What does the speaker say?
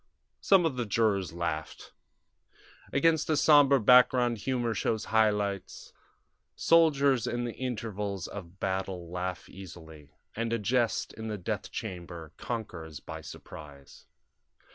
Some of the jurors laughed. Against a sombre background humor shows high lights. Soldiers in the intervals of battle laugh easily, and a jest in the death chamber conquers by surprise.